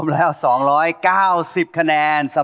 แล้ว๒๙๐คะแนน